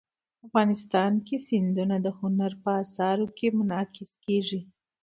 افغانستان کې سیندونه د هنر په اثار کې منعکس کېږي.